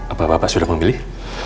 apa bapak sudah memilih